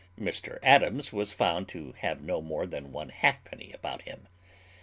Mr Adams was found to have no more than one halfpenny about him.